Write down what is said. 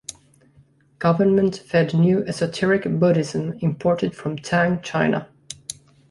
Government fed new esoteric Buddhism imported from Tang china.